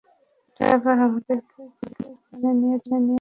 Driver, আমাদেরকে ঘড়ির দোকানে নিয়ে চল।